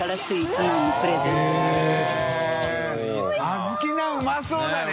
あずきナンうまそうだね。